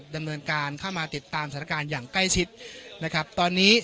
ดำเนินการเข้ามาติดตามสถานการณ์อย่างใกล้ชิด